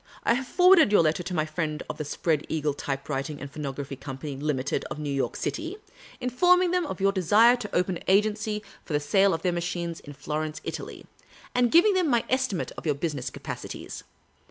I have forwarded your letter to my friends of the Spread Eagle Type writing and Phonograph Company, Limited, of New York City, in forming them of your desire to open an agency for the sale of their machines in Florence, Italy, and giving them my estimate of your business capacities.